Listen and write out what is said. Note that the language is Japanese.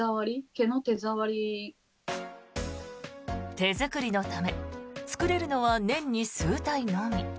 手作りのため作れるのは年に数体のみ。